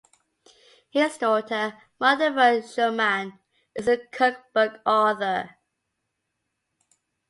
His daughter, Martha Rose Shulman, is a cookbook author.